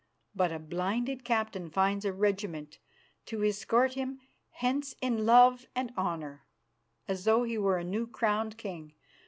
But a blinded captain finds a regiment to escort him hence in love and honour, as though he were a new crowned king.